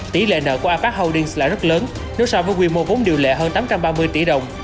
tỷ lệ nợ qua apec holdings là rất lớn nếu so với quy mô vốn điều lệ hơn tám trăm ba mươi tỷ đồng